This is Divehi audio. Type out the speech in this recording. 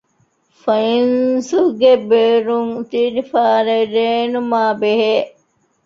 ފެންސުގެ ބޭރުން ތިރި ފާރެއް ރޭނުމާބެހޭ